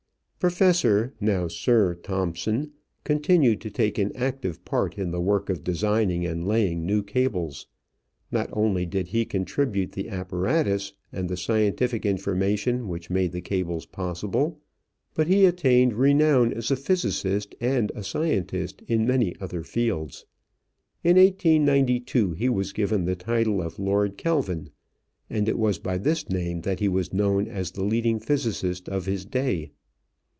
Professor, now Sir, Thomson continued to take an active part in the work of designing and laying new cables. Not only did he contribute the apparatus and the scientific information which made cables possible, but he attained renown as a physicist and a scientist in many other fields. In 1892 he was given the title of Lord Kelvin, and it was by this name that he was known as the leading physicist of his day.